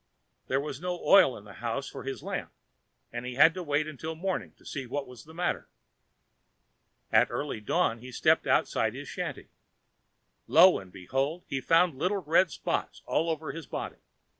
There was no oil in the house for his lamp, and he had to wait until morning to see what was the matter. At early dawn he stepped outside his shanty. Lo, and behold! he found little red spots all over his body.